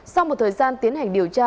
sau một thời gian tiến hành điều tra